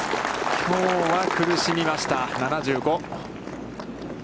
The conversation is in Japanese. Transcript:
きょうは苦しみました、７５。